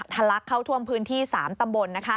ลักเข้าท่วมพื้นที่๓ตำบล